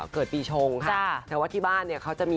เกิดปีชงค่ะแต่ว่าที่บ้านจะมี